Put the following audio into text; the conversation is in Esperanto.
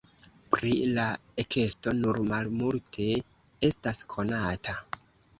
Pri la ekesto nur malmulte estas konata.